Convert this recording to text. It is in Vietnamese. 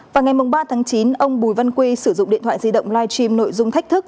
vào ngày ba tháng chín ông bùi văn quy sử dụng điện thoại di động live stream nội dung thách thức